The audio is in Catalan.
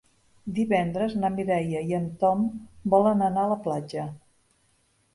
Divendres na Mireia i en Tom volen anar a la platja.